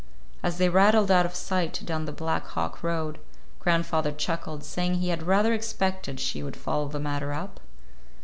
As they rattled out of sight down the Black Hawk road, grandfather chuckled, saying he had rather expected she would follow the matter up.